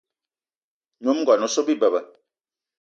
Nyom ngón o so bi beba.